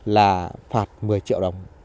là phạt một mươi triệu đồng